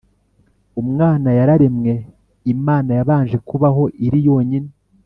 Umwana yararemwe Imana yabanje kubaho iri yonyine